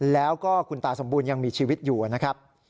แล้วก็คุณตาสมบูรณ์ยังมีชีวิตอยู่นะครับ